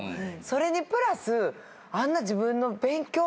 それにプラスあんな自分の勉強も入ってくる。